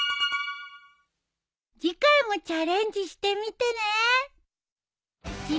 次回もチャレンジしてみてね。